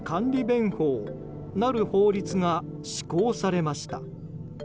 弁法なる法律が施行されました。